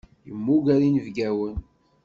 Yemmuger inebgawen.